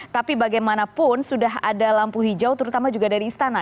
tapi bagaimanapun sudah ada lampu hijau terutama juga dari istana